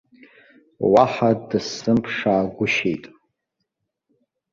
Уаҳа дысзымԥшаагәышьеит.